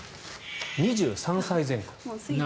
２３歳前後。